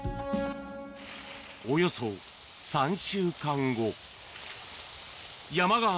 およそ３週間後。